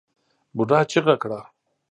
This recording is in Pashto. بوډا چيغه کړه!